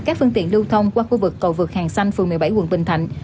các phương tiện lưu thông qua khu vực cầu vượt hàng xanh phường một mươi bảy quận bình thạnh